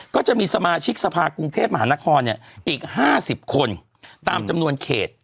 ก็จะมีสมาชิกสภากรุงเทพมหานครอีก๕๐คนตามจำนวนเขต